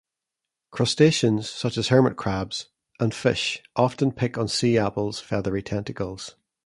Crustaceans, such as hermit crabs, and fish often pick on sea apple's feathery tentacles.